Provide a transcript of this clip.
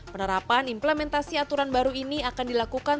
penerapan implementasi aturan baru ini akan dilakukan